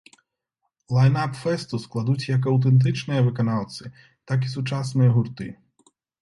Лайн-ап фэсту складуць як аўтэнтычныя выканаўцы, так і сучасныя гурты.